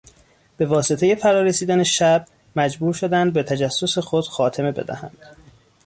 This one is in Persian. به واسطهی فرا رسیدن شب مجبور شدند به تجسس خود خاتمه بدهند.